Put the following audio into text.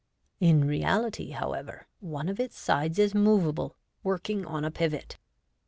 In reality, however, one of its sides is moveable, working on a pivot.